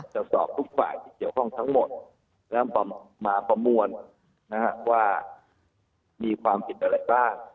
จะสอบทุกฝ่ายที่เกี่ยวข้องทั้งหมดแล้วมาประมวลว่ามีความผิดอะไรบ้าง